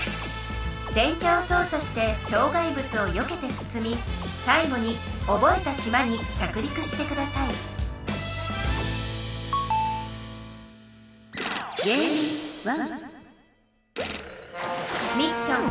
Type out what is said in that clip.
電キャを操作して障害物をよけて進み最後に覚えた島に着陸してくださいミッション。